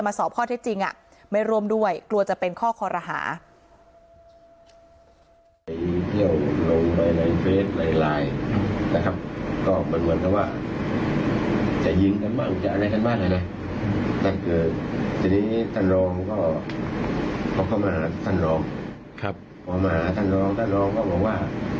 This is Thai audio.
สอบข้อเท็จจริงไม่ร่วมด้วยกลัวจะเป็นข้อคอรหา